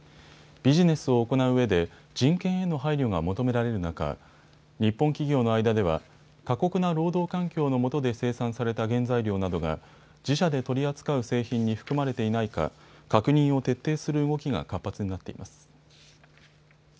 ビジネスを行ううえで人権への配慮が求められる中、日本企業の間では過酷な労働環境の下で生産された原材料などが自社で取り扱う製品に含まれていないか確認を徹底する動きが活発になっています。